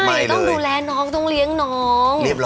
ต้องดูแลน้องต้องเลี้ยงน้อง